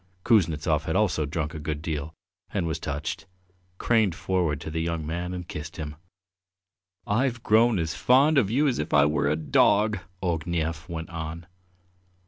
Kuznetsov, who had also drunk a good deal and was touched, craned forward to the young man and kissed him. "I've grown as fond of you as if I were your dog," Ognev went on.